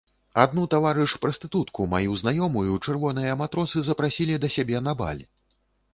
Адну таварыш прастытутку, маю знаёмую, чырвоныя матросы запрасілі да сябе на баль.